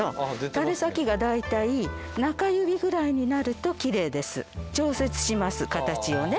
たれ先が大体中指ぐらいになるときれいです調節します形をね